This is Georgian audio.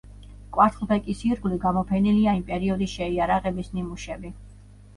კვარცხლბეკის ირგვლივ გამოფენილია იმ პერიოდის შეიარაღების ნიმუშები.